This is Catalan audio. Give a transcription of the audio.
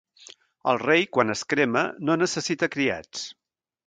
El rei, quan es crema, no necessita criats.